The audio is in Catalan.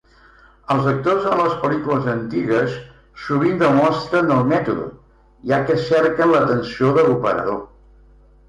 Els actors en les pel·lícules antigues sovint demostren el mètode, ja que cerquen l'atenció de l'operador.